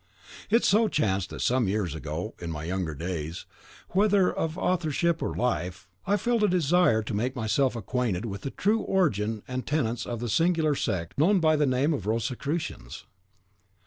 It so chanced that some years ago, in my younger days, whether of authorship or life, I felt a desire to make myself acquainted with the true origin and tenets of the singular sect known by the name of Rosicrucians.